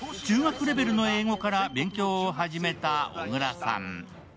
中学レベルの英語から勉強を始めた小倉さん。